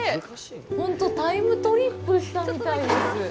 ほんとタイムトリップしたみたいです。